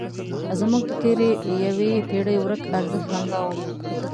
زموږ د تېرې یوې پېړۍ ورک ارزښت همدا و.